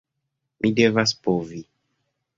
Mi devas povi.